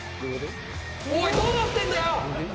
おい、どうなってんだよ！